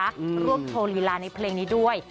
รูปโทรลีลาในเพลงนี้ด้วย